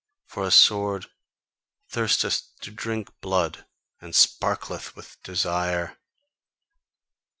For a sword thirsteth to drink blood, and sparkleth with desire."